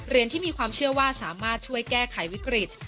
ที่มีความเชื่อว่าสามารถช่วยแก้ไขวิกฤต